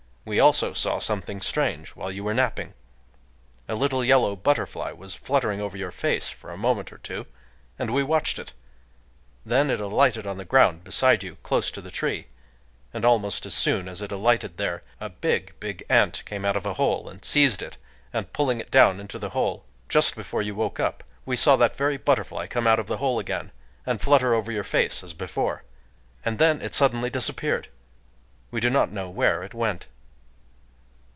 We also saw something strange while you were napping. A little yellow butterfly was fluttering over your face for a moment or two; and we watched it. Then it alighted on the ground beside you, close to the tree; and almost as soon as it alighted there, a big, big ant came out of a hole and seized it and pulled it down into the hole. Just before you woke up, we saw that very butterfly come out of the hole again, and flutter over your face as before. And then it suddenly disappeared: we do not know where it went."